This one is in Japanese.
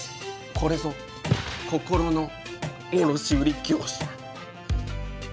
これぞ心の卸売業者。